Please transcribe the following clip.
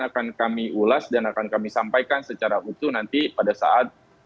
akan kami ulas dan akan kami sampaikan secara utuh nanti pada saat